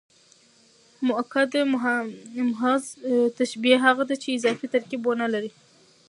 مؤکده محض تشبیه هغه ده، چي اضافي ترکیب و نه لري.